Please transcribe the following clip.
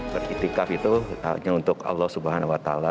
beriktikaf itu hanya untuk allah swt